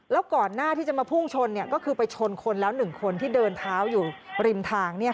แล้วก่อนหน้าที่จะมาพุ่งชนก็คือไปชนคนแล้ว๑คนที่เดินเท้าอยู่ริมทาง